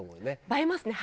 映えますね！